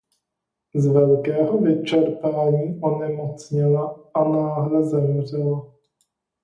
Z velkého vyčerpání onemocněla a náhle zemřela.